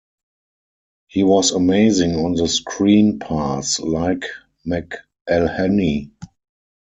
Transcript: He was amazing on the screen pass, like McElhenny.